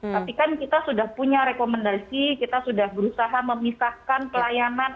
tapi kan kita sudah punya rekomendasi kita sudah berusaha memisahkan pelayanan